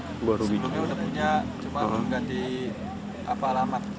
sebelumnya sudah punya cuma mengganti alamat